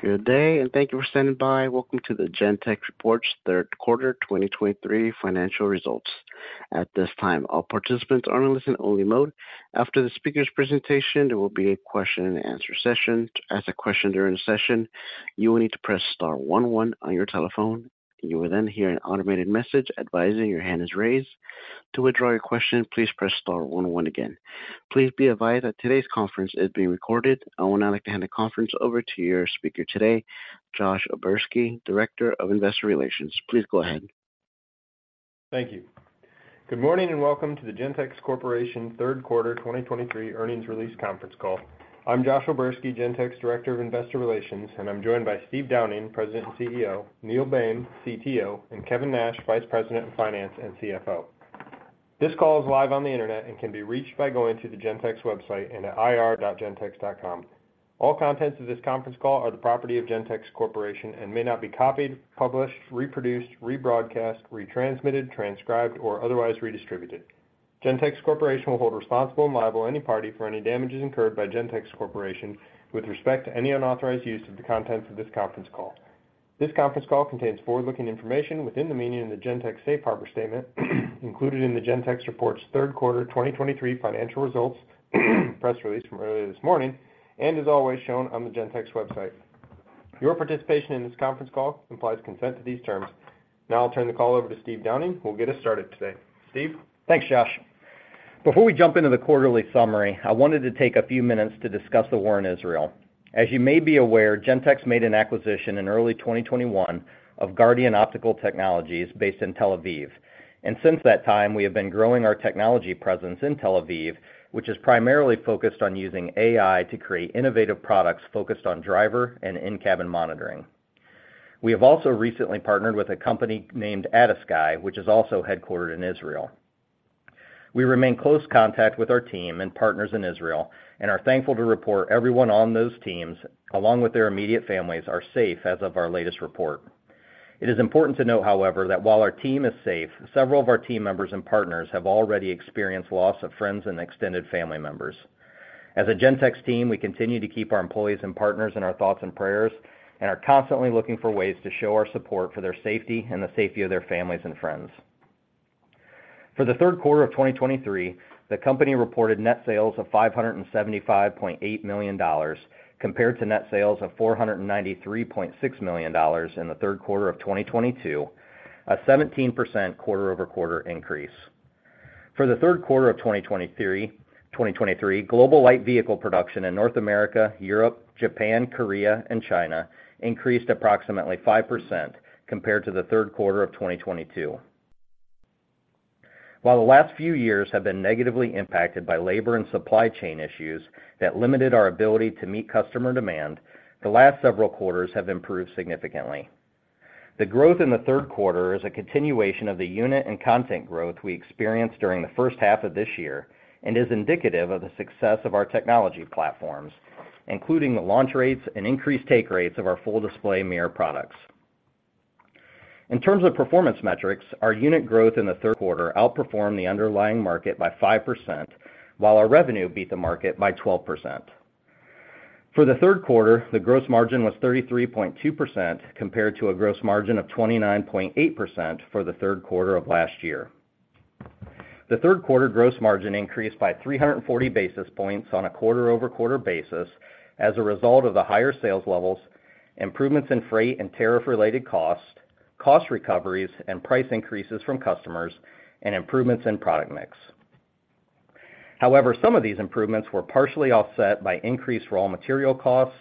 Good day, and thank you for standing by. Welcome to the Gentex reports third quarter 2023 financial results. At this time, all participants are in listen-only mode. After the speaker's presentation, there will be a question-and-answer session. To ask a question during the session, you will need to press star one one on your telephone. You will then hear an automated message advising your hand is raised. To withdraw your question, please press star one one again. Please be advised that today's conference is being recorded. I would now like to hand the conference over to your speaker today, Josh O'Berski, Director of Investor Relations. Please go ahead. Thank you. Good morning, and welcome to the Gentex Corporation third quarter 2023 earnings release conference call. I'm Josh O'Berski, Gentex, Director of Investor Relations, and I'm joined by Steve Downing, President and CEO, Neil Boehm, CTO, and Kevin Nash, Vice President of Finance and CFO. This call is live on the internet and can be reached by going to the Gentex website and at ir.gentex.com. All contents of this conference call are the property of Gentex Corporation and may not be copied, published, reproduced, rebroadcast, retransmitted, transcribed, or otherwise redistributed. Gentex Corporation will hold responsible and liable any party for any damages incurred by Gentex Corporation with respect to any unauthorized use of the contents of this conference call. This conference call contains forward-looking information within the meaning of the Gentex Safe Harbor statement, included in the Gentex report's third quarter 2023 financial results, press release from earlier this morning, and is always shown on the Gentex website. Your participation in this conference call implies consent to these terms. Now I'll turn the call over to Steve Downing, who will get us started today. Steve? Thanks, Josh. Before we jump into the quarterly summary, I wanted to take a few minutes to discuss the war in Israel. As you may be aware, Gentex made an acquisition in early 2021 of Guardian Optical Technologies based in Tel Aviv, and since that time, we have been growing our technology presence in Tel Aviv, which is primarily focused on using AI to create innovative products focused on driver and in-cabin monitoring. We have also recently partnered with a company named ADASKY, which is also headquartered in Israel. We remain in close contact with our team and partners in Israel and are thankful to report everyone on those teams, along with their immediate families, are safe as of our latest report. It is important to note, however, that while our team is safe, several of our team members and partners have already experienced loss of friends and extended family members. As a Gentex team, we continue to keep our employees and partners in our thoughts and prayers and are constantly looking for ways to show our support for their safety and the safety of their families and friends. For the third quarter of 2023, the company reported net sales of $575.8 million, compared to net sales of $493.6 million in the third quarter of 2022, a 17% quarter-over-quarter increase. For the third quarter of 2023, global light vehicle production in North America, Europe, Japan, Korea, and China increased approximately 5% compared to the third quarter of 2022. While the last few years have been negatively impacted by labor and supply chain issues that limited our ability to meet customer demand, the last several quarters have improved significantly. The growth in the third quarter is a continuation of the unit and content growth we experienced during the first half of this year and is indicative of the success of our technology platforms, including the launch rates and increased take rates of our Full Display Mirror products. In terms of performance metrics, our unit growth in the third quarter outperformed the underlying market by 5%, while our revenue beat the market by 12%. For the third quarter, the gross margin was 33.2%, compared to a gross margin of 29.8% for the third quarter of last year. The third quarter gross margin increased by 340 basis points on a quarter-over-quarter basis as a result of the higher sales levels, improvements in freight and tariff related costs, cost recoveries and price increases from customers, and improvements in product mix. However, some of these improvements were partially offset by increased raw material costs,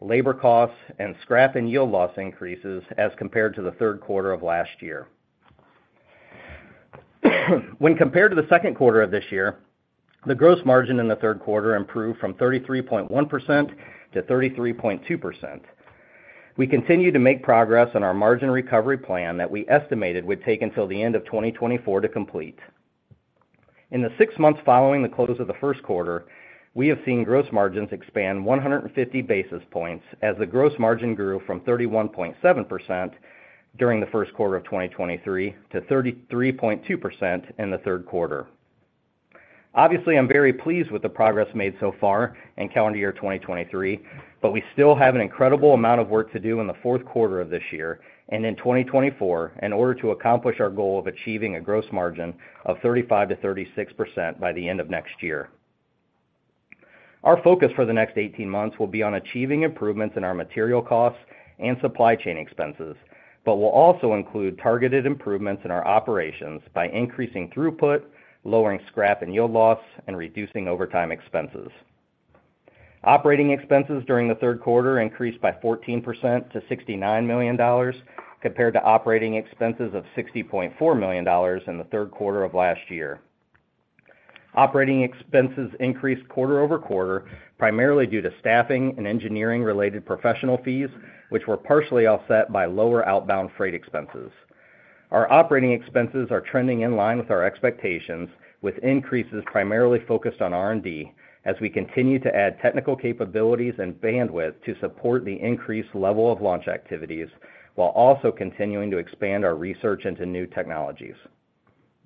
labor costs, and scrap and yield loss increases as compared to the third quarter of last year. When compared to the second quarter of this year, the gross margin in the third quarter improved from 33.1%-33.2%. We continue to make progress on our margin recovery plan that we estimated would take until the end of 2024 to complete. In the six months following the close of the first quarter, we have seen gross margins expand 150 basis points as the gross margin grew from 31.7% during the first quarter of 2023 to 33.2% in the third quarter. Obviously, I'm very pleased with the progress made so far in calendar year 2023, but we still have an incredible amount of work to do in the fourth quarter of this year and in 2024 in order to accomplish our goal of achieving a gross margin of 35%-36% by the end of next year. Our focus for the next 18 months will be on achieving improvements in our material costs and supply chain expenses, but will also include targeted improvements in our operations by increasing throughput, lowering scrap and yield loss, and reducing overtime expenses. Operating expenses during the third quarter increased by 14% to $69 million, compared to operating expenses of $60.4 million in the third quarter of last year. Operating expenses increased quarter-over-quarter, primarily due to staffing and engineering-related professional fees, which were partially offset by lower outbound freight expenses. Our operating expenses are trending in line with our expectations, with increases primarily focused on R&D as we continue to add technical capabilities and bandwidth to support the increased level of launch activities while also continuing to expand our research into new technologies.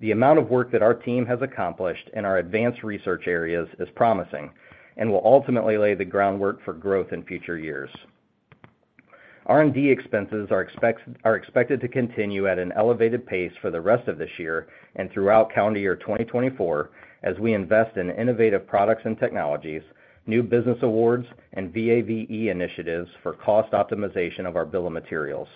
The amount of work that our team has accomplished in our advanced research areas is promising and will ultimately lay the groundwork for growth in future years. R&D expenses are expected to continue at an elevated pace for the rest of this year and throughout calendar year 2024, as we invest in innovative products and technologies, new business awards, and VAVE initiatives for cost optimization of our bill of materials.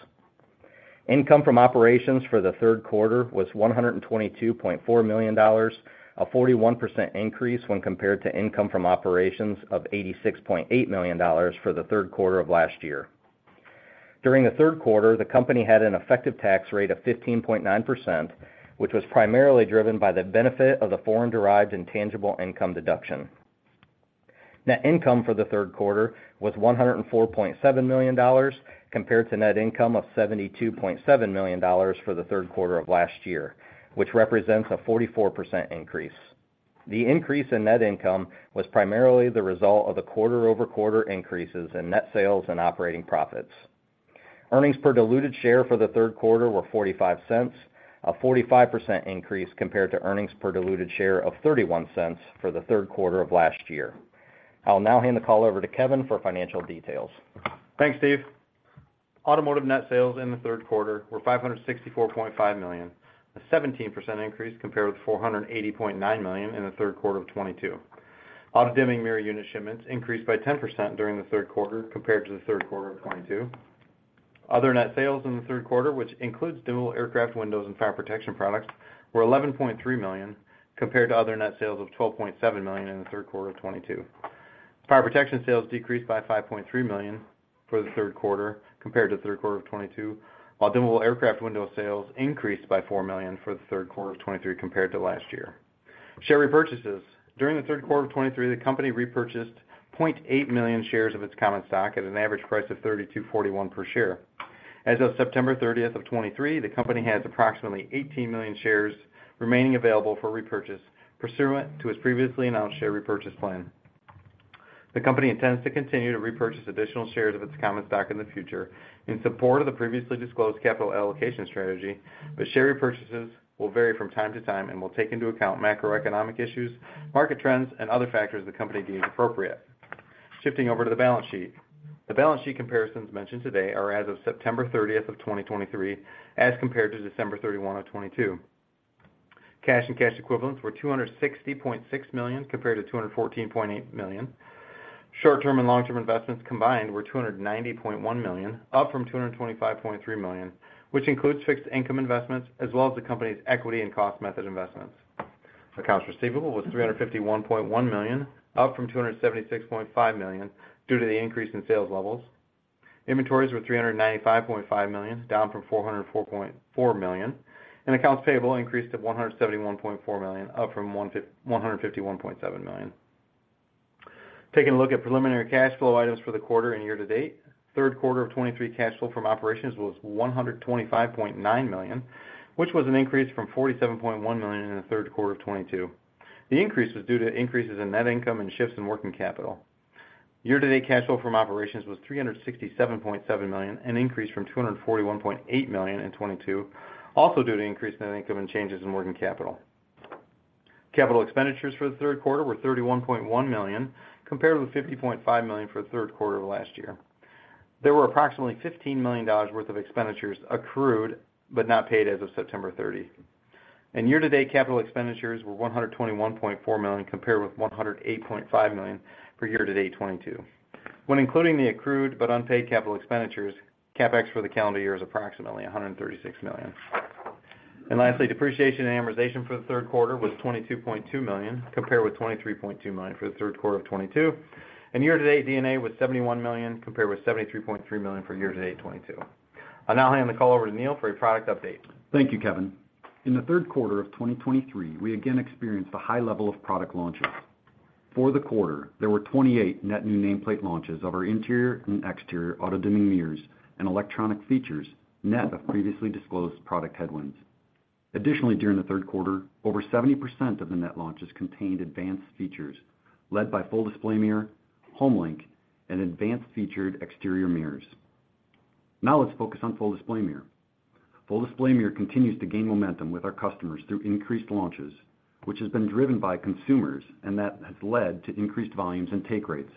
Income from operations for the third quarter was $122.4 million, a 41% increase when compared to income from operations of $86.8 million for the third quarter of last year. During the third quarter, the company had an effective tax rate of 15.9%, which was primarily driven by the benefit of the foreign-derived intangible income deduction. Net income for the third quarter was $104.7 million, compared to net income of $72.7 million for the third quarter of last year, which represents a 44% increase. The increase in net income was primarily the result of the quarter-over-quarter increases in net sales and operating profits. Earnings per diluted share for the third quarter were $0.45, a 45% increase compared to earnings per diluted share of $0.31 for the third quarter of last year. I'll now hand the call over to Kevin for financial details. Thanks, Steve. Automotive net sales in the third quarter were $564.5 million, a 17% increase compared with $480.9 million in the third quarter of 2022. Auto-dimming mirror unit shipments increased by 10% during the third quarter compared to the third quarter of 2022. Other net sales in the third quarter, which includes dimmable aircraft windows and fire protection products, were $11.3 million, compared to other net sales of $12.7 million in the third quarter of 2022. Fire protection sales decreased by $5.3 million for the third quarter compared to the third quarter of 2022, while dimmable aircraft window sales increased by $4 million for the third quarter of 2023 compared to last year. Share repurchases. During the third quarter of 2023, the company repurchased 0.8 million shares of its common stock at an average price of $32.41 per share. As of September 30th, 2023, the company has approximately 18 million shares remaining available for repurchase pursuant to its previously announced share repurchase plan. The company intends to continue to repurchase additional shares of its common stock in the future in support of the previously disclosed capital allocation strategy, but share repurchases will vary from time to time and will take into account macroeconomic issues, market trends, and other factors the company deems appropriate. Shifting over to the balance sheet. The balance sheet comparisons mentioned today are as of September 30th, 2023, as compared to December 31, 2022. Cash and cash equivalents were $260.6 million, compared to $214.8 million. Short-term and long-term investments combined were $290.1 million, up from $225.3 million, which includes fixed income investments as well as the company's equity and cost method investments. Accounts receivable was $351.1 million, up from $276.5 million due to the increase in sales levels. Inventories were $395.5 million, down from $404.4 million, and accounts payable increased to $171.4 million, up from $151.7 million. Taking a look at preliminary cash flow items for the quarter and year-to-date. Third quarter of 2023, cash flow from operations was $125.9 million, which was an increase from $47.1 million in the third quarter of 2022. The increase was due to increases in net income and shifts in working capital. Year-to-date cash flow from operations was $367.7 million, an increase from $241.8 million in 2022, also due to increase in net income and changes in working capital. Capital expenditures for the third quarter were $31.1 million, compared with $50.5 million for the third quarter of last year. There were approximately $15 million worth of expenditures accrued but not paid as of September 30. Year-to-date capital expenditures were $121.4 million, compared with $108.5 million for year-to-date 2022. When including the accrued but unpaid capital expenditures, CapEx for the calendar year is approximately $136 million. Lastly, depreciation and amortization for the third quarter was $22.2 million, compared with $23.2 million for the third quarter of 2022. Year-to-date D&A was $71 million, compared with $73.3 million for year-to-date 2022. I'll now hand the call over to Neil for a product update. Thank you, Kevin. In the third quarter of 2023, we again experienced a high level of product launches. For the quarter, there were 28 net new nameplate launches of our interior and exterior auto-dimming mirrors and electronic features, net of previously disclosed product headwinds. Additionally, during the third quarter, over 70% of the net launches contained advanced features, led by Full Display Mirror, HomeLink, and advanced featured exterior mirrors. Now let's focus on Full Display Mirror. Full Display Mirror continues to gain momentum with our customers through increased launches, which has been driven by consumers, and that has led to increased volumes and take rates.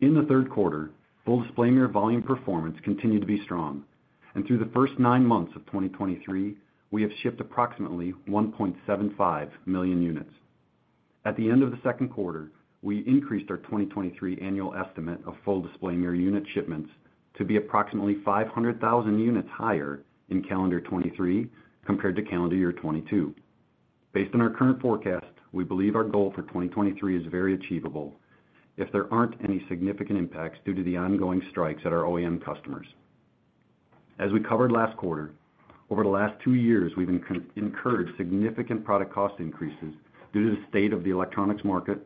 In the third quarter, Full Display Mirror volume performance continued to be strong, and through the first nine months of 2023, we have shipped approximately 1.75 million units. At the end of the second quarter, we increased our 2023 annual estimate of Full Display Mirror unit shipments to be approximately 500,000 units higher in calendar 2023 compared to calendar year 2022. Based on our current forecast, we believe our goal for 2023 is very achievable if there aren't any significant impacts due to the ongoing strikes at our OEM customers. As we covered last quarter, over the last two years, we've incurred significant product cost increases due to the state of the electronics market,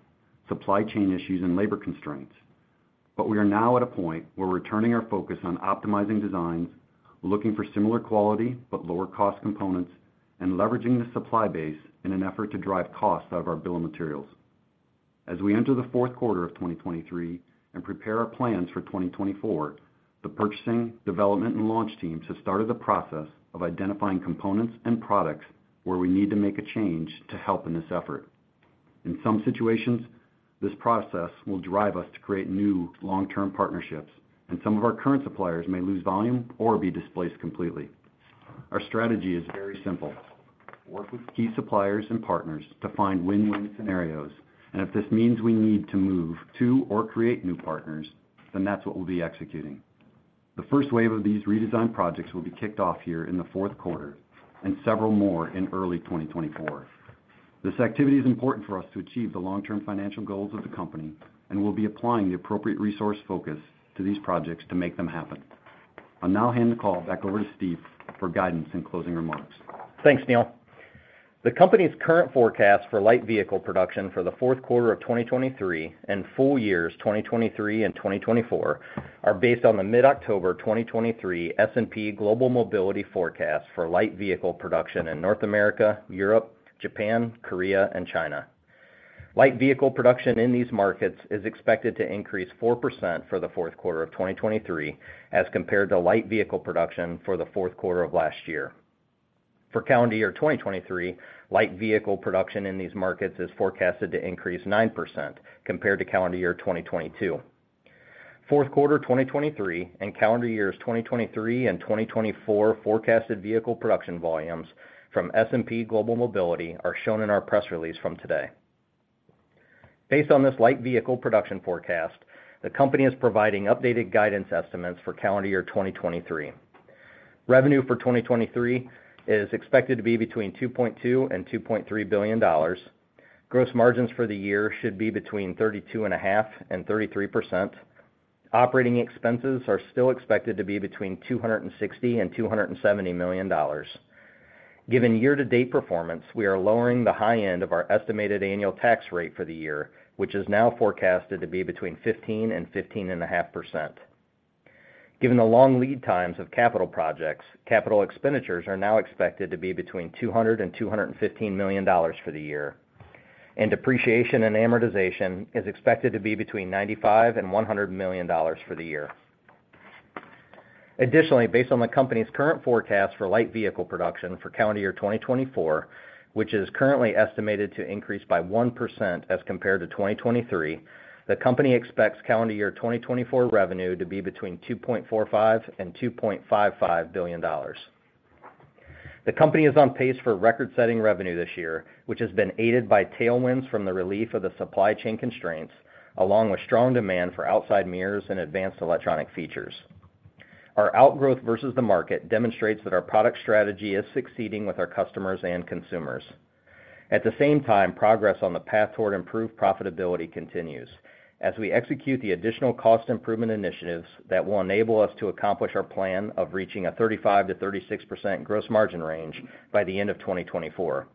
supply chain issues, and labor constraints. But we are now at a point where we're turning our focus on optimizing designs, looking for similar quality but lower cost components, and leveraging the supply base in an effort to drive costs out of our bill of materials. As we enter the fourth quarter of 2023 and prepare our plans for 2024, the purchasing, development, and launch teams have started the process of identifying components and products where we need to make a change to help in this effort. In some situations, this process will drive us to create new long-term partnerships, and some of our current suppliers may lose volume or be displaced completely. Our strategy is very simple: work with key suppliers and partners to find win-win scenarios, and if this means we need to move to or create new partners, then that's what we'll be executing. The first wave of these redesign projects will be kicked off here in the fourth quarter and several more in early 2024. This activity is important for us to achieve the long-term financial goals of the company, and we'll be applying the appropriate resource focus to these projects to make them happen. I'll now hand the call back over to Steve for guidance and closing remarks. Thanks, Neil. The company's current forecast for light vehicle production for the fourth quarter of 2023 and full years 2023 and 2024 are based on the mid-October 2023 S&P Global Mobility Forecast for light vehicle production in North America, Europe, Japan, Korea, and China. Light vehicle production in these markets is expected to increase 4% for the fourth quarter of 2023 as compared to light vehicle production for the fourth quarter of last year. For calendar year 2023, light vehicle production in these markets is forecasted to increase 9% compared to calendar year 2022. Fourth quarter 2023 and calendar years 2023 and 2024 forecasted vehicle production volumes from S&P Global Mobility are shown in our press release from today. Based on this light vehicle production forecast, the company is providing updated guidance estimates for calendar year 2023. Revenue for 2023 is expected to be between $2.2 billion and $2.3 billion. Gross margins for the year should be between 32.5% and 33%. Operating expenses are still expected to be between $260 million and $270 million. Given year-to-date performance, we are lowering the high end of our estimated annual tax rate for the year, which is now forecasted to be between 15% and 15.5%. Given the long lead times of capital projects, capital expenditures are now expected to be between $200 million and $215 million for the year, and depreciation and amortization is expected to be between $95 million and $100 million for the year. Additionally, based on the company's current forecast for light vehicle production for calendar year 2024, which is currently estimated to increase by 1% as compared to 2023, the company expects calendar year 2024 revenue to be between $2.45 billion and $2.5 billion. The company is on pace for record-setting revenue this year, which has been aided by tailwinds from the relief of the supply chain constraints, along with strong demand for outside mirrors and advanced electronic features. Our outgrowth versus the market demonstrates that our product strategy is succeeding with our customers and consumers. At the same time, progress on the path toward improved profitability continues as we execute the additional cost improvement initiatives that will enable us to accomplish our plan of reaching a 35%-36% gross margin range by the end of 2024.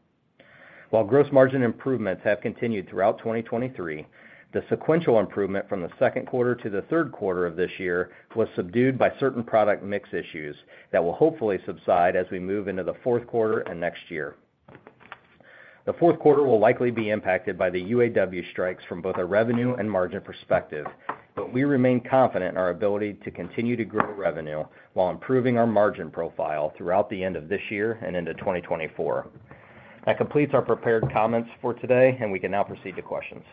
While gross margin improvements have continued throughout 2023, the sequential improvement from the second quarter to the third quarter of this year was subdued by certain product mix issues that will hopefully subside as we move into the fourth quarter and next year. The fourth quarter will likely be impacted by the UAW strikes from both a revenue and margin perspective, but we remain confident in our ability to continue to grow revenue while improving our margin profile throughout the end of this year and into 2024. That completes our prepared comments for today, and we can now proceed to questions.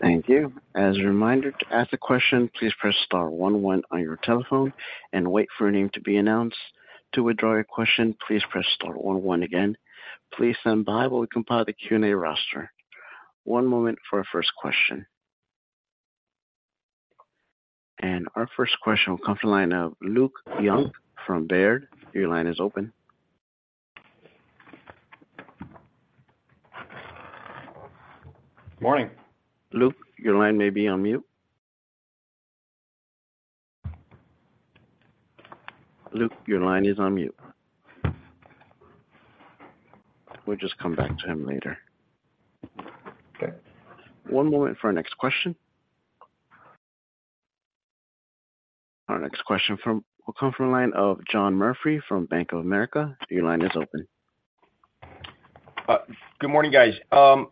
Thank you. As a reminder, to ask a question, please press star one one on your telephone and wait for your name to be announced. To withdraw your question, please press star one one again. Please stand by while we compile the Q&A roster. One moment for our first question. Our first question will come from the line of Luke Junk from Baird. Your line is open. Morning. Luke, your line may be on mute. Luke, your line is on mute. We'll just come back to him later. Okay. One moment for our next question. Our next question will come from the line of John Murphy, from Bank of America. Your line is open. Good morning, guys.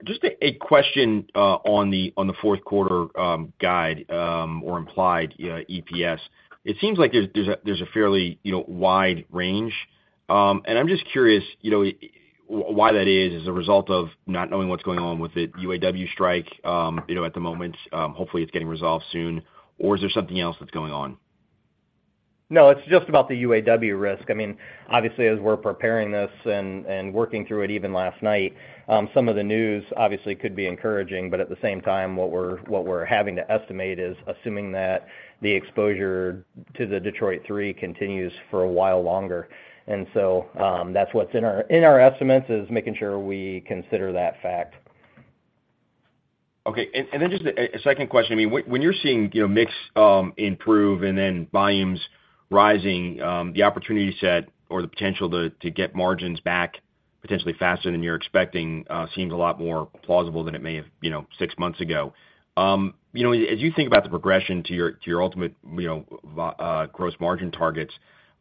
Just a question on the fourth quarter guide or implied EPS. It seems like there's a fairly, you know, wide range. And I'm just curious, you know, why that is, as a result of not knowing what's going on with the UAW strike, you know, at the moment, hopefully, it's getting resolved soon, or is there something else that's going on? No, it's just about the UAW risk. I mean, obviously, as we're preparing this and working through it even last night, some of the news obviously could be encouraging, but at the same time, what we're having to estimate is assuming that the exposure to the Detroit Three continues for a while longer. So, that's what's in our estimates is making sure we consider that fact. Okay. And then just a second question. I mean, when you're seeing, you know, mix improve and then volumes rising, the opportunity set or the potential to get margins back potentially faster than you're expecting seems a lot more plausible than it may have, you know, six months ago. You know, as you think about the progression to your ultimate, you know, gross margin targets,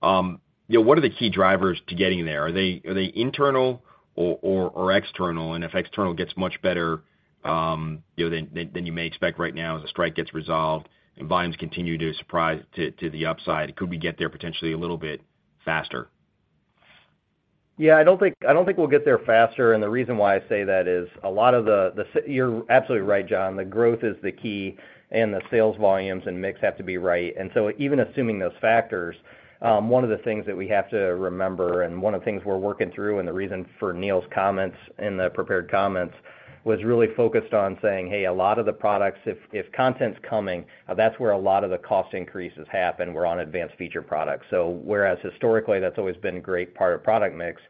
you know, what are the key drivers to getting there? Are they internal? or external, and if external gets much better, you know, than you may expect right now, as the strike gets resolved and volumes continue to surprise to the upside, could we get there potentially a little bit faster? Yeah, I don't think we'll get there faster. And the reason why I say that is a lot of the [inaudible] you're absolutely right, John. The growth is the key, and the sales volumes and mix have to be right. And so even assuming those factors, one of the things that we have to remember and one of the things we're working through, and the reason for Neil's comments in the prepared comments, was really focused on saying, hey, a lot of the products, if content's coming, that's where a lot of the cost increases happen, we're on advanced feature products. So whereas historically, that's always been a great part of product mix,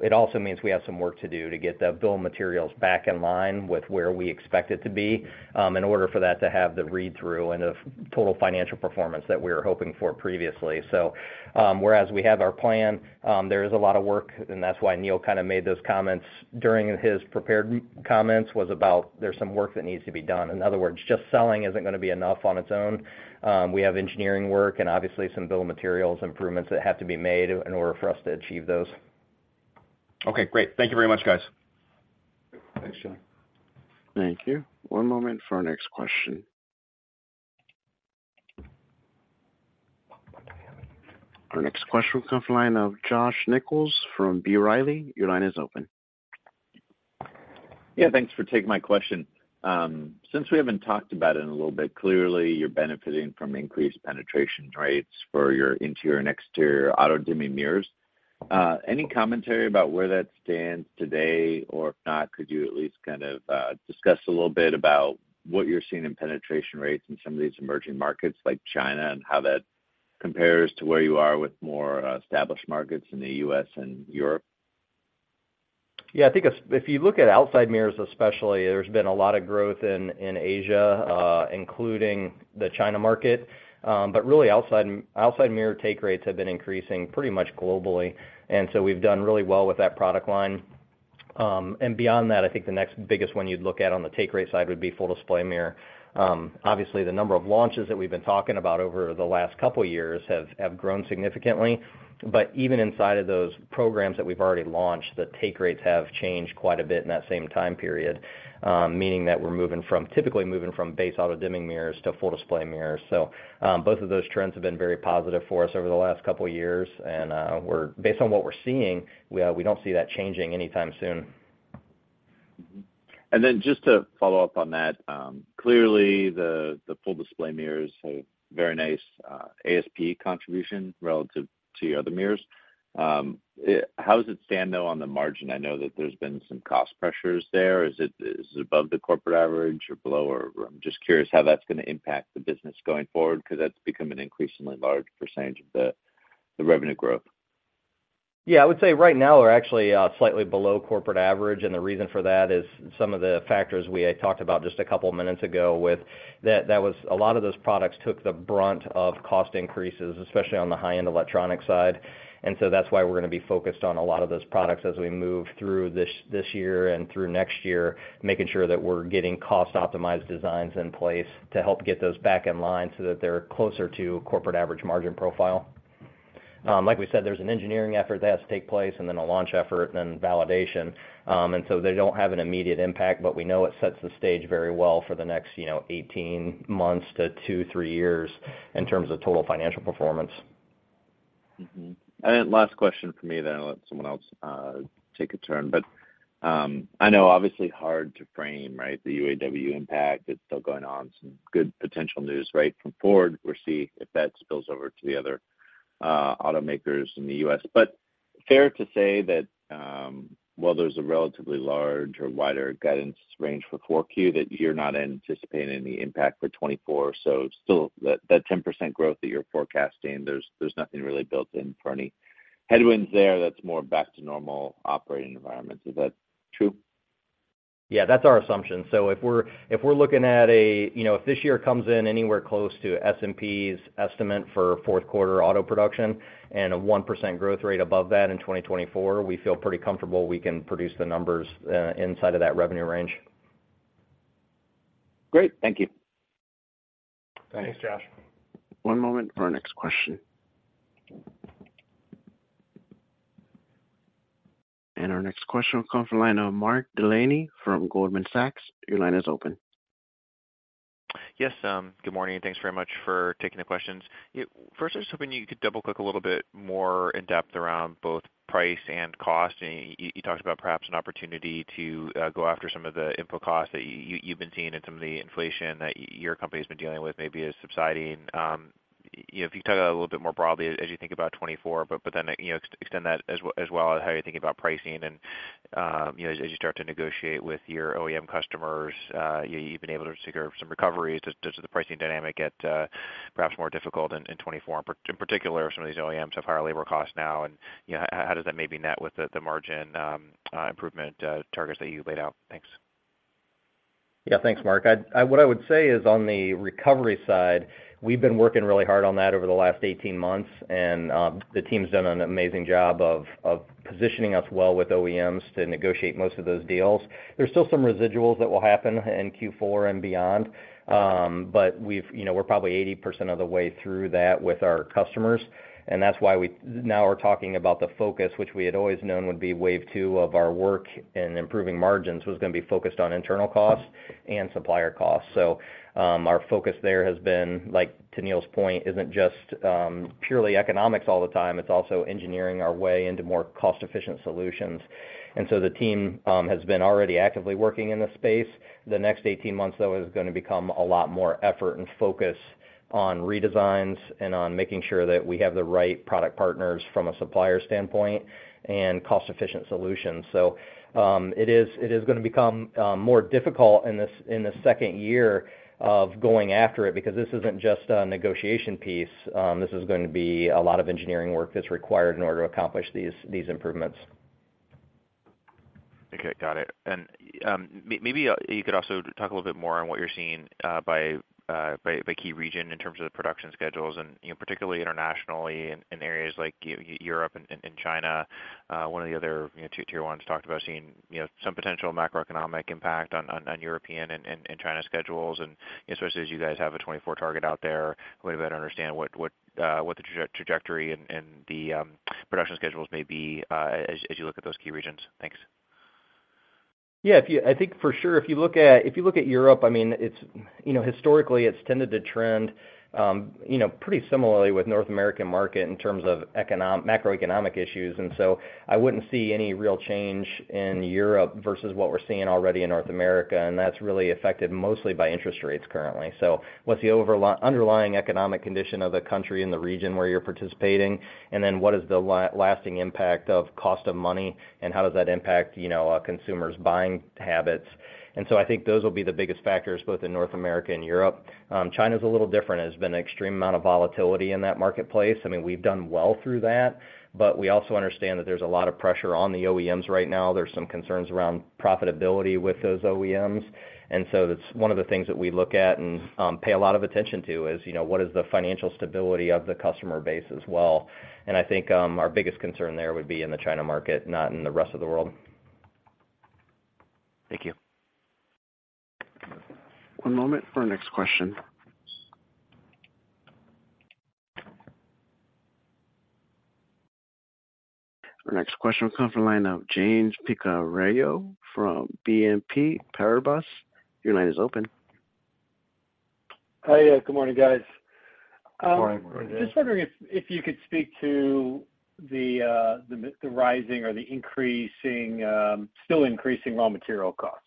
it also means we have some work to do to get the bill of materials back in line with where we expect it to be, in order for that to have the read-through and the total financial performance that we were hoping for previously. So, whereas we have our plan, there is a lot of work, and that's why Neil kind of made those comments during his prepared comments, was about there's some work that needs to be done. In other words, just selling isn't gonna be enough on its own. We have engineering work and obviously some bill of materials improvements that have to be made in order for us to achieve those. Okay, great. Thank you very much, guys. Thanks, John. Thank you. One moment for our next question. Our next question comes from the line of Josh Nichols from B. Riley. Your line is open. Yeah, thanks for taking my question. Since we haven't talked about it in a little bit, clearly, you're benefiting from increased penetration rates for your interior and exterior auto-dimming mirrors. Any commentary about where that stands today? Or if not, could you at least kind of discuss a little bit about what you're seeing in penetration rates in some of these emerging markets, like China, and how that compares to where you are with more established markets in the U.S. and Europe? Yeah, I think if you look at outside mirrors especially, there's been a lot of growth in Asia, including the China market. But really, outside mirror take rates have been increasing pretty much globally, and so we've done really well with that product line. And beyond that, I think the next biggest one you'd look at on the take rate side would be Full Display Mirror. Obviously, the number of launches that we've been talking about over the last couple of years have grown significantly, but even inside of those programs that we've already launched, the take rates have changed quite a bit in that same time period. Meaning that we're typically moving from base Auto-dimming mirrors to Full Display Mirrors. So, both of those trends have been very positive for us over the last couple of years, and we're based on what we're seeing, we don't see that changing anytime soon. Mm-hmm. And then just to follow up on that, clearly, the full display mirrors have very nice ASP contribution relative to your other mirrors. How does it stand, though, on the margin? I know that there's been some cost pressures there. Is it above the corporate average or below, or... I'm just curious how that's gonna impact the business going forward, because that's become an increasingly large percentage of the revenue growth. Yeah, I would say right now we're actually slightly below corporate average, and the reason for that is some of the factors we had talked about just a couple of minutes ago with that, that was a lot of those products took the brunt of cost increases, especially on the high-end electronic side. And so that's why we're gonna be focused on a lot of those products as we move through this year and through next year, making sure that we're getting cost-optimized designs in place to help get those back in line so that they're closer to corporate average margin profile. Like we said, there's an engineering effort that has to take place, and then a launch effort, and then validation. And so they don't have an immediate impact, but we know it sets the stage very well for the next, you know, 18 months to two-three years in terms of total financial performance. Mm-hmm. And then last question for me, then I'll let someone else take a turn. But I know obviously hard to frame, right? The UAW impact is still going on. Some good potential news, right, from Ford. We'll see if that spills over to the other automakers in the U.S. But fair to say that, while there's a relatively large or wider guidance range for 4Q, that you're not anticipating any impact for 2024. So still, that 10% growth that you're forecasting, there's nothing really built in for any headwinds there. That's more back to normal operating environment. Is that true? Yeah, that's our assumption. So if we're looking at a, you know, if this year comes in anywhere close to S&P's estimate for fourth quarter auto production and a 1% growth rate above that in 2024, we feel pretty comfortable we can produce the numbers inside of that revenue range. Great. Thank you. Thanks, Josh. One moment for our next question. Our next question will come from the line of Mark Delaney from Goldman Sachs. Your line is open. Yes, good morning, and thanks very much for taking the questions. First, I was hoping you could double-click a little bit more in depth around both price and cost. You talked about perhaps an opportunity to go after some of the input costs that you've been seeing and some of the inflation that your company's been dealing with maybe is subsiding. You know, if you could talk about a little bit more broadly as you think about 2024, but then, you know, extend that as well as how you're thinking about pricing and, you know, as you start to negotiate with your OEM customers, you've been able to secure some recoveries. Does the pricing dynamic get perhaps more difficult in 2024? In particular, some of these OEMs have higher labor costs now, and, you know, how does that maybe net with the, the margin improvement targets that you laid out? Thanks. Yeah, thanks, Mark. What I would say is on the recovery side, we've been working really hard on that over the last 18 months, and the team's done an amazing job of positioning us well with OEMs to negotiate most of those deals. There's still some residuals that will happen in Q4 and beyond, but we've, you know, we're probably 80% of the way through that with our customers, and that's why we now are talking about the focus, which we had always known would be wave two of our work in improving margins, was gonna be focused on internal costs and supplier costs. So, our focus there has been, like, to Neil's point, isn't just purely economics all the time. It's also engineering our way into more cost-efficient solutions. And so the team has been already actively working in this space. The next 18 months, though, is gonna become a lot more effort and focus on redesigns and on making sure that we have the right product partners from a supplier standpoint and cost-efficient solutions. So, it is gonna become more difficult in the second year of going after it, because this isn't just a negotiation piece. This is going to be a lot of engineering work that's required in order to accomplish these improvements. Okay, got it. And maybe you could also talk a little bit more on what you're seeing by key region in terms of the production schedules and, you know, particularly internationally in areas like Europe and China. One of the other, you know, tier ones talked about seeing, you know, some potential macroeconomic impact on European and China schedules. And especially as you guys have a 2024 target out there, way to better understand what the trajectory and the production schedules may be as you look at those key regions. Thanks. Yeah, if you, I think for sure, if you look at, if you look at Europe, I mean, it's, you know, historically, it's tended to trend, you know, pretty similarly with North American market in terms of macroeconomic issues. And so I wouldn't see any real change in Europe versus what we're seeing already in North America, and that's really affected mostly by interest rates currently. So what's the underlying economic condition of the country and the region where you're participating? And then what is the lasting impact of cost of money, and how does that impact, you know, a consumer's buying habits? And so I think those will be the biggest factors, both in North America and Europe. China's a little different. There's been an extreme amount of volatility in that marketplace. I mean, we've done well through that, but we also understand that there's a lot of pressure on the OEMs right now. There's some concerns around profitability with those OEMs. And so that's one of the things that we look at and pay a lot of attention to, is, you know, what is the financial stability of the customer base as well. And I think our biggest concern there would be in the China market, not in the rest of the world. Thank you. One moment for our next question. Our next question will come from the line of James Picariello from BNP Paribas. Your line is open. Hi, good morning, guys. Good morning. Just wondering if you could speak to the rising or the increasing, still increasing raw material costs.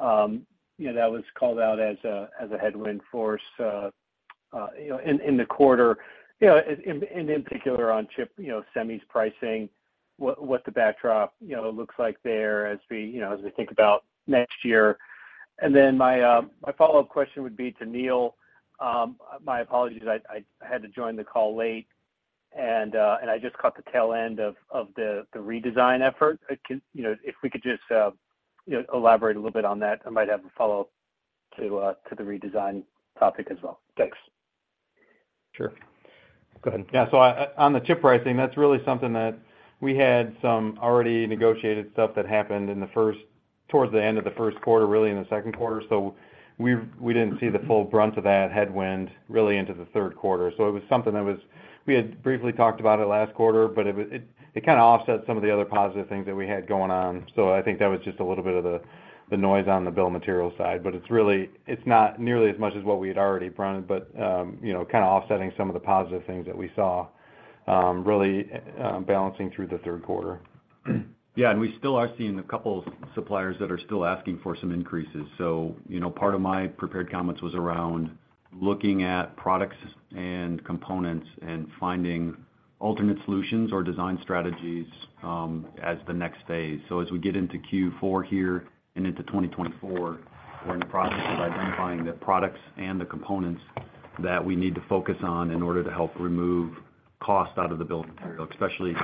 You know, that was called out as a headwind force, you know, in the quarter, you know, and in particular, on chip, you know, semis pricing, what the backdrop, you know, looks like there as we, you know, as we think about next year. And then my follow-up question would be to Neil. My apologies, I had to join the call late, and I just caught the tail end of the redesign effort. You know, if we could just, you know, elaborate a little bit on that, I might have a follow-up to the redesign topic as well. Thanks. Sure. Go ahead. Yeah, so on the chip pricing, that's really something that we had some already negotiated stuff that happened in the first—towards the end of the first quarter, really in the second quarter. So we didn't see the full brunt of that headwind really into the third quarter. So it was something that was... We had briefly talked about it last quarter, but it kinda offsets some of the other positive things that we had going on. So I think that was just a little bit of the noise on the bill of materials side, but it's really—it's not nearly as much as what we had already planned, but, you know, kind of offsetting some of the positive things that we saw, really, balancing through the third quarter. Yeah, and we still are seeing a couple of suppliers that are still asking for some increases. So, you know, part of my prepared comments was around looking at products and components and finding alternate solutions or design strategies as the next phase. So as we get into Q4 here and into 2024, we're in the process of identifying the products and the components that we need to focus on in order to help remove cost out of the bill of material, especially,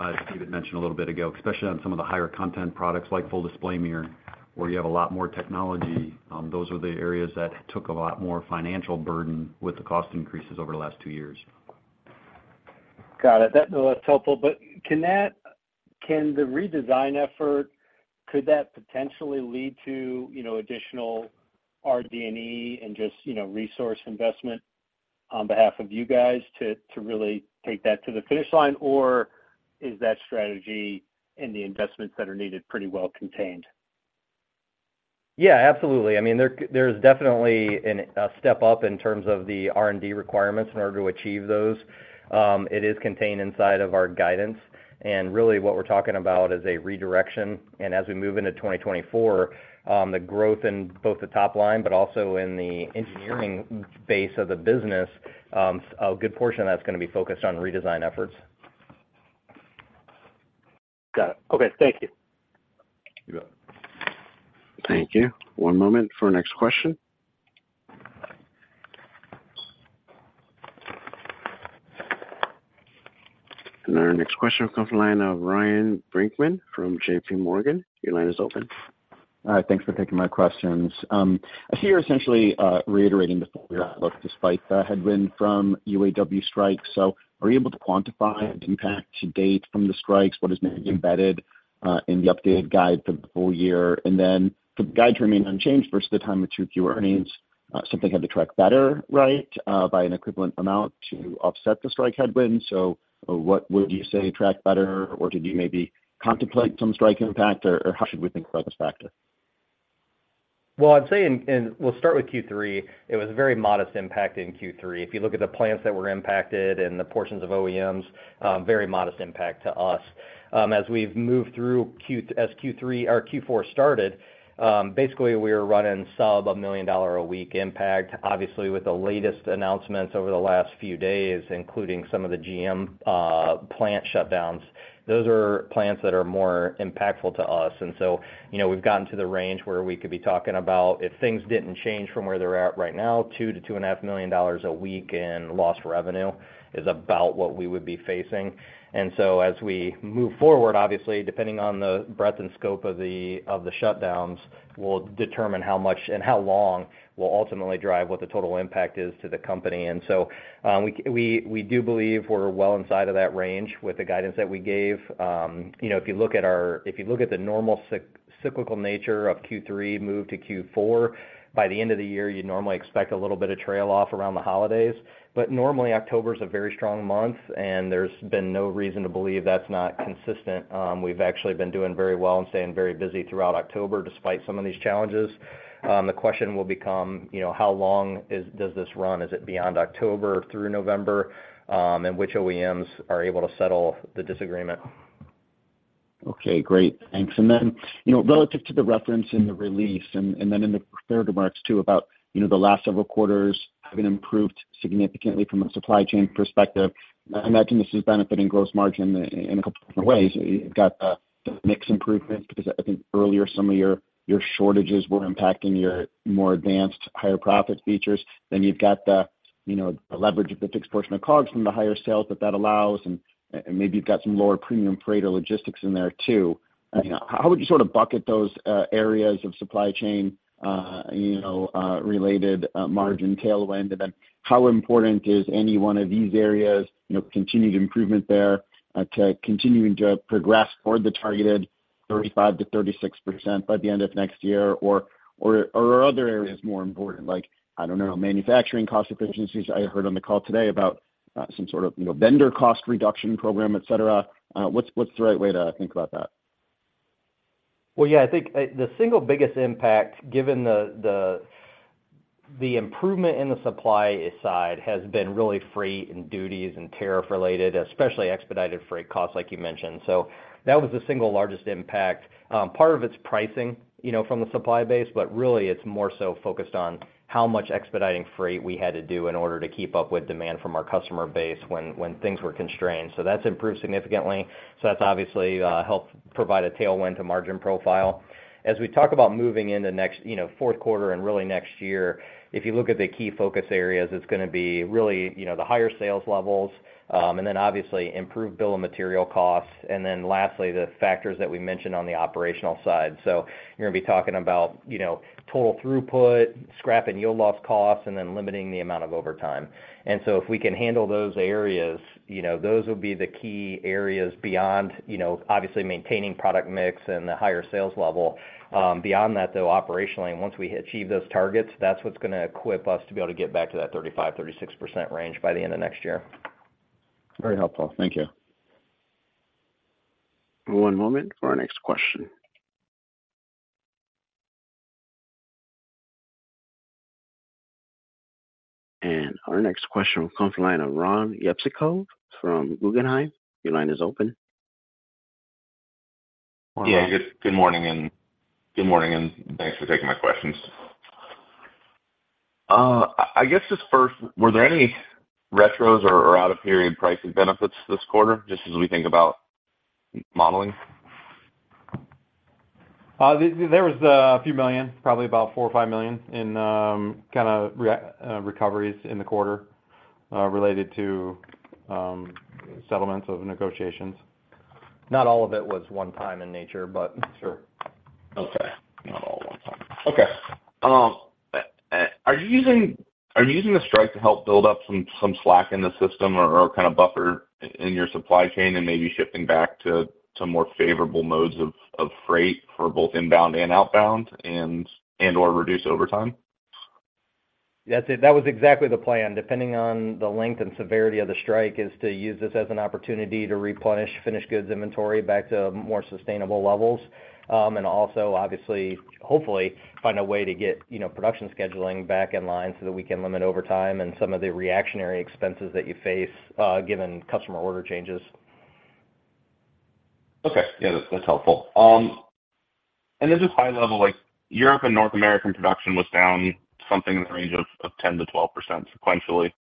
as Steve mentioned a little bit ago, especially on some of the higher content products like Full Display Mirror, where you have a lot more technology, those are the areas that took a lot more financial burden with the cost increases over the last two years. Got it. That was helpful, but can the redesign effort, could that potentially lead to, you know, additional RD&E and just, you know, resource investment on behalf of you guys to, to really take that to the finish line? Or is that strategy and the investments that are needed pretty well contained? Yeah, absolutely. I mean, there's definitely a step up in terms of the R&D requirements in order to achieve those. It is contained inside of our guidance, and really what we're talking about is a redirection. As we move into 2024, the growth in both the top line, but also in the engineering base of the business, a good portion of that's gonna be focused on redesign efforts. Got it. Okay, thank you. You got it. Thank you. One moment for our next question. Our next question comes from the line of Ryan Brinkman from JP Morgan. Your line is open. Thanks for taking my questions. I hear essentially, reiterating the full year outlook despite the headwind from UAW strikes. So are you able to quantify the impact to date from the strikes? What is maybe embedded in the updated guide for the full year? And then the guide remained unchanged versus the time of 2Q earnings. Something had to track better, right, by an equivalent amount to offset the strike headwind. So what would you say track better, or did you maybe contemplate some strike impact, or, or how should we think about this factor?... Well, I'd say we'll start with Q3. It was a very modest impact in Q3. If you look at the plants that were impacted and the portions of OEMs, very modest impact to us. As we've moved through Q3, as Q4 started, basically, we were running sub-$1 million a week impact. Obviously, with the latest announcements over the last few days, including some of the GM plant shutdowns, those are plants that are more impactful to us. And so, you know, we've gotten to the range where we could be talking about, if things didn't change from where they're at right now, $2 million-$2.5 million a week in lost revenue is about what we would be facing. And so as we move forward, obviously, depending on the breadth and scope of the shutdowns, will determine how much and how long will ultimately drive what the total impact is to the company. And so, we do believe we're well inside of that range with the guidance that we gave. You know, if you look at the normal cyclical nature of Q3 move to Q4, by the end of the year, you'd normally expect a little bit of trail off around the holidays, but normally October is a very strong month, and there's been no reason to believe that's not consistent. We've actually been doing very well and staying very busy throughout October, despite some of these challenges. The question will become, you know, how long does this run? Is it beyond October, through November? And which OEMs are able to settle the disagreement? Okay, great. Thanks. And then, you know, relative to the reference in the release, and then in the prepared remarks, too, about, you know, the last several quarters have been improved significantly from a supply chain perspective. I imagine this is benefiting gross margin in a couple of different ways. You've got the mix improvement, because I think earlier, some of your shortages were impacting your more advanced, higher profit features. Then you've got the, you know, the leverage of the fixed portion of COGS from the higher sales that that allows, and maybe you've got some lower premium freight or logistics in there, too. How would you sort of bucket those areas of supply chain, you know, related margin tailwind? And then how important is any one of these areas, you know, continued improvement there, to continuing to progress toward the targeted 35%-36% by the end of next year? Or, are there other areas more important, like, I don't know, manufacturing cost efficiencies? I heard on the call today about, some sort of, you know, vendor cost reduction program, et cetera. What's the right way to think about that? Well, yeah, I think the single biggest impact, given the improvement in the supply side, has been really freight and duties and tariff related, especially expedited freight costs, like you mentioned. So that was the single largest impact. Part of it's pricing, you know, from the supply base, but really it's more so focused on how much expediting freight we had to do in order to keep up with demand from our customer base when things were constrained. So that's improved significantly. So that's obviously helped provide a tailwind to margin profile. As we talk about moving into next, you know, fourth quarter and really next year, if you look at the key focus areas, it's gonna be really, you know, the higher sales levels, and then obviously improved bill of material costs, and then lastly, the factors that we mentioned on the operational side. So you're gonna be talking about, you know, total throughput, scrap and yield loss costs, and then limiting the amount of overtime. And so if we can handle those areas, you know, those will be the key areas beyond, you know, obviously maintaining product mix and the higher sales level. Beyond that, though, operationally, once we achieve those targets, that's what's gonna equip us to be able to get back to that 35%-36% range by the end of next year. Very helpful. Thank you. One moment for our next question. Our next question comes from the line of Ron Jewsikow from Guggenheim. Your line is open. Yeah, good morning, and good morning, and thanks for taking my questions. I guess just first, were there any retros or out-of-period pricing benefits this quarter, just as we think about modeling? There was a few million, probably about $4 million-$5 million in kind of recoveries in the quarter, related to settlements of negotiations. Not all of it was one-time in nature, but sure. Okay. Not all one time. Okay, are you using the strike to help build up some slack in the system or kind of buffer in your supply chain and maybe shifting back to more favorable modes of freight for both inbound and outbound and/or reduce overtime? That's it. That was exactly the plan, depending on the length and severity of the strike, is to use this as an opportunity to replenish finished goods inventory back to more sustainable levels. And also, obviously, hopefully, find a way to get, you know, production scheduling back in line so that we can limit overtime and some of the reactionary expenses that you face, given customer order changes. Okay. Yeah, that's helpful. And this is high level, like, Europe and North American production was down something in the range of 10%-12% sequentially.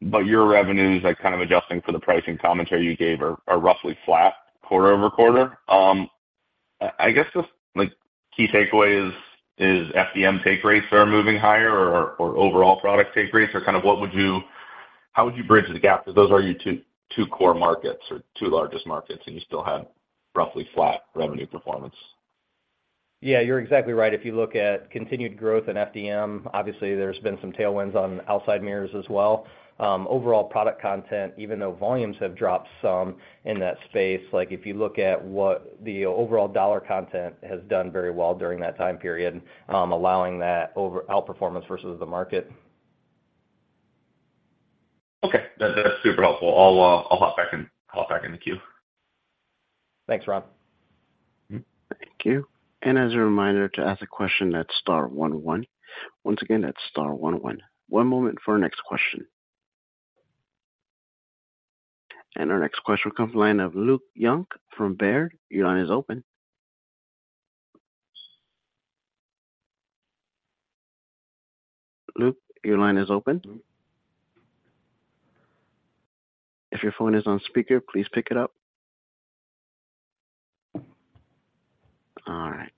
But your revenues, like, kind of adjusting for the pricing commentary you gave, are roughly flat quarter-over-quarter. I guess the, like, key takeaway is FDM take rates are moving higher or overall product take rates? Or kind of what would you—how would you bridge the gap? Because those are your two core markets or two largest markets, and you still have roughly flat revenue performance. Yeah, you're exactly right. If you look at continued growth in FDM, obviously there's been some tailwinds on outside mirrors as well. Overall product content, even though volumes have dropped some in that space, like, if you look at what the overall dollar content has done very well during that time period, allowing that overall outperformance versus the market. Okay. That's super helpful. I'll hop back in the queue. Thanks, Ron. Thank you. As a reminder to ask a question, that's star one one. Once again, that's star one one. One moment for our next question. Our next question comes from the line of Luke Junk from Baird. Your line is open. Luke, your line is open. If your phone is on speaker, please pick it up. All right.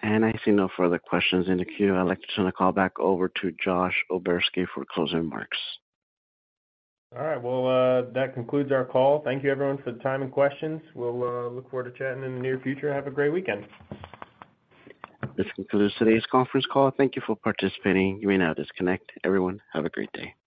I see no further questions in the queue. I'd like to turn the call back over to Josh O'Berski for closing remarks. All right. Well, that concludes our call. Thank you, everyone, for the time and questions. We'll look forward to chatting in the near future. Have a great weekend. This concludes today's conference call. Thank you for participating. You may now disconnect. Everyone, have a great day.